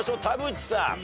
田渕さん。